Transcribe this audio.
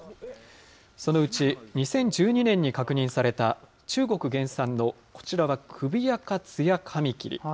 そのうち２０１２年に確認された、中国原産のこちらはクビアカツヤカミキリ。